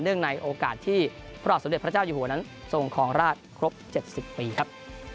ในโอกาสที่พระบาทสมเด็จพระเจ้าอยู่หัวนั้นทรงครองราชครบ๗๐ปีครับ